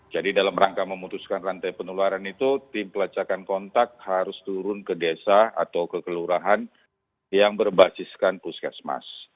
dalam rangka memutuskan rantai penularan itu tim pelacakan kontak harus turun ke desa atau ke kelurahan yang berbasiskan puskesmas